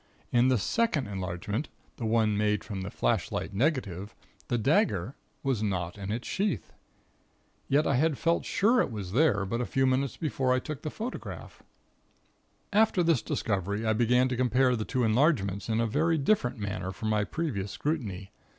In the second enlargement the one made from the flashlight negative the dagger was not in its sheath. Yet, I had felt sure it was there but a few minutes before I took the photograph. "After this discovery I began to compare the two enlargements in a very different manner from my previous scrutiny.